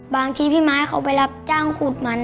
บางทีพี่ไม้เขาไปรับจ้างขูดมัน